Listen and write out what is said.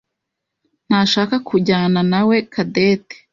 ntashaka kujyanawe nawe Cadette.